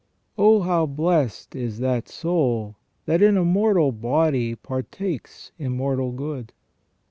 " Oh, how blessed is that soul that in a mortal body partakes im mortal good